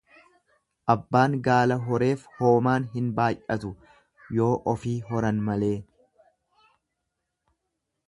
Abbaan gaala horeef hoomaan hin baay'atu yoo ofii horan malee.